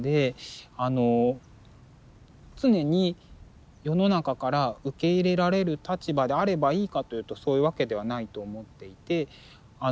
常に世の中から受け入れられる立場であればいいかというとそういうわけではないと思っていて。